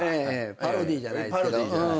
パロディーじゃないですけど。